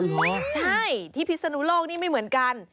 เหรอใช่ที่พิศนุโลกนี่ไม่เหมือนกัน